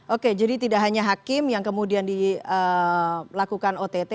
oke jadi tidak hanya hakim yang kemudian dilakukan ott